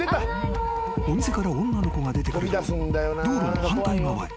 ［お店から女の子が出てくると道路の反対側へ］